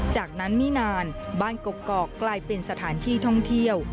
จากนั้นไม่นานบ้านกกอกกลายเป็นสถานที่ท่องเที่ยว